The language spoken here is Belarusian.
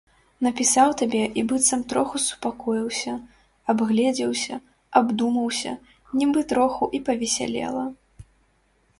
Напісаў табе і быццам троху супакоіўся, абгледзеўся, абдумаўся, нібы троху і павесялела.